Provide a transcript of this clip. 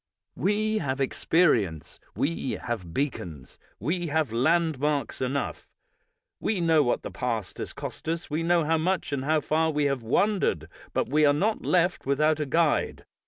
We have experience, we have beacons, we have landmarks enough. We know what the past has cost US; we know how much and how far we have wandered, but we are not left without a guide.